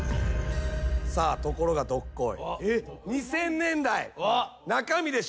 さあところがどっこい。